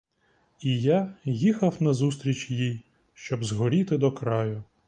І я їхав назустріч їй, щоб згоріти до краю.